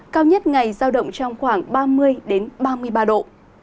cao nhất ngày giao động trong khoảng ba mươi ba mươi ba độ